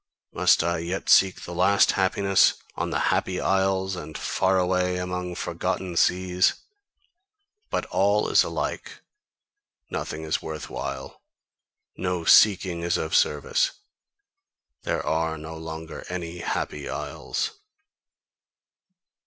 Must I yet seek the last happiness on the Happy Isles, and far away among forgotten seas? But all is alike, nothing is worth while, no seeking is of service, there are no longer any Happy Isles!"